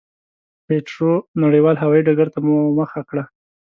هېترو نړېوال هوایي ډګرته مو مخه کړه.